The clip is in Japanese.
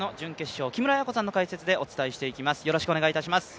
木村文子さんの解説でお伝えしていきます。